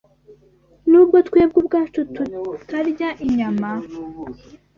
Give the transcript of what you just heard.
Nubwo twebwe ubwacu tutarya inyama,